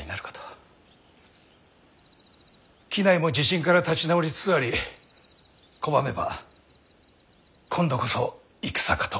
畿内も地震から立ち直りつつあり拒めば今度こそ戦かと。